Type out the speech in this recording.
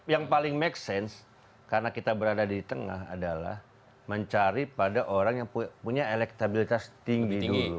yang paling make sense karena kita berada di tengah adalah mencari pada orang yang punya elektabilitas tinggi dulu